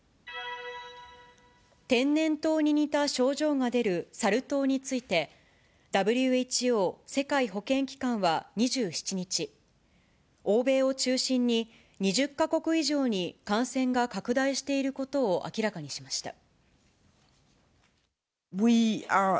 天然痘に似た症状が出るサル痘について、ＷＨＯ・世界保健機関は２７日、欧米を中心に２０か国以上に感染が拡大していることを明らかにしました。